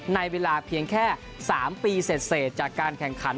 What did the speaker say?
ในเวลาเพียงแค่๓ปีเสร็จจากการแข่งขัน